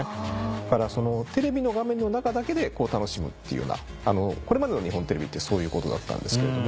だからそのテレビの画面の中だけで楽しむっていうようなこれまでの日本テレビってそういうことだったんですけども。